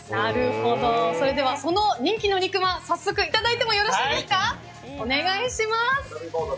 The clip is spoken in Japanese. それでは人気の肉まんを早速いただいてよろしいですか。